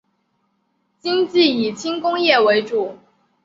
经济以轻工业为主。